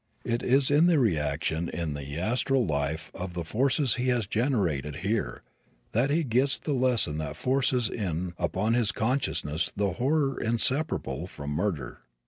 It is in the reaction in the astral life of the forces he has generated here that he gets the lesson that forces in upon his consciousness the horror inseparable from murder.